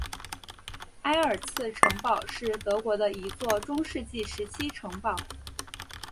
埃尔茨城堡是德国的一座中世纪时期城堡。